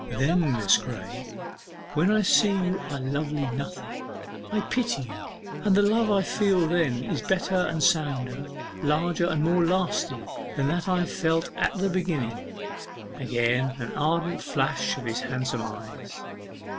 Then, Miss Graye, when I see you are a Lovely Nothing, I pity you, and the love I feel then is better and sounder, larger and more lasting than that I felt at the beginning.' Again an ardent flash of his handsome eyes.